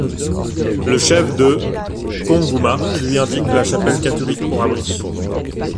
Le chef de Kongouma lui indique la chapelle catholique pour abri.